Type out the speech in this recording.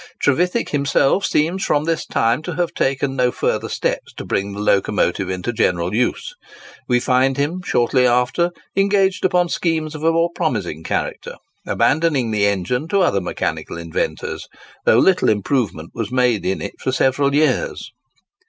Trevithick himself seems from this time to have taken no further steps to bring the locomotive into general use. We find him, shortly after, engaged upon schemes of a more promising character, abandoning the engine to other mechanical inventors, though little improvement was made in it for several years.